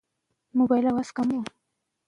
د لیکوالو ورځ د هغوی د کار ستاینه ده.